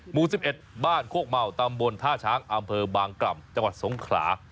หมู่๑๑บ้านโคกเมาตำบลท่าช้างอำเภอบางกล่ำจังหวัดสงขลา